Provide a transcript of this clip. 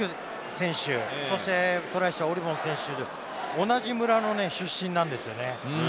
まず抜けたリュキュ選手、そしてトライしたオリヴォン選手、同じ村の出身なんですよね。